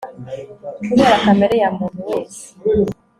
kubera kamere yamuntu wese